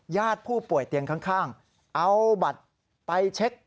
ญาติผู้ป่วยเตียงข้างเอาบัตรไปเช็ค